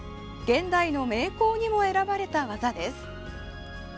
現代の名工にも選ばれた技です。